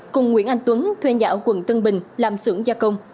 cùng nguyễn anh tuấn thuê nhạo quận tân bình làm xưởng gia công